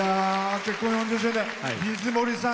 結婚４０周年、水森さん